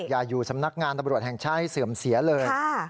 อยู่สำนักงานตำรวจแห่งชาติให้เสื่อมเสียเลย